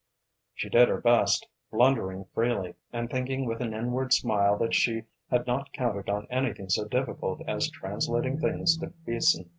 She did her best, blundering freely, and thinking with an inward smile that she had not counted on anything so difficult as translating things to Beason.